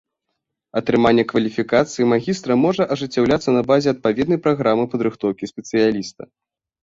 Атрыманне кваліфікацыі магістра можа ажыццяўляцца на базе адпаведнай праграмы падрыхтоўкі спецыяліста.